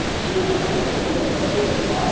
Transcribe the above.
ちょっと見せてもらっていいですか？